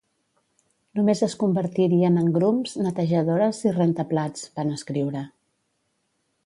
Només es convertirien en grums, netejadores i rentaplats, van escriure.